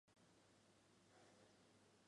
萨勒斯勒沙托人口变化图示